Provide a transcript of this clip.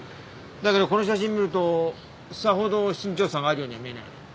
だけどこの写真見るとさほど身長差があるようには見えない。